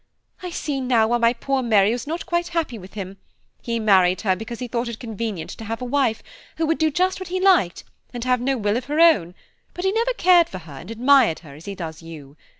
"I see now why my poor Mary was not quite happy with him; he married her because he thought it convenient to have a wife, who would do just what he liked, and have no will of her own, but he never cared for her and admired her as he does you.